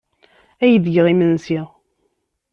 Ad ak-d-geɣ imensi.